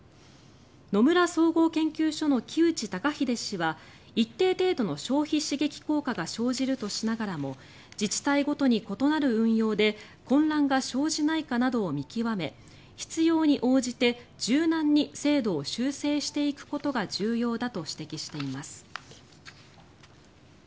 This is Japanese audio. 野村総合研究所の木内登英氏は一定程度の消費刺激効果が生じるとしながらも自治体ごとに異なる運用で混乱が生じないかなどを見極め必要に応じて柔軟に制度を修正していくことが重要だと指摘しています。